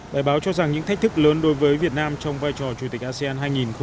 bài báo cho rằng những thách thức lớn đối với việt nam trong vai trò chủ tịch asean hai nghìn hai mươi